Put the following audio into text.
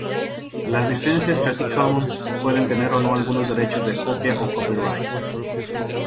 Las licencias Creative Commons pueden tener o no algunos derechos de copia o copyright.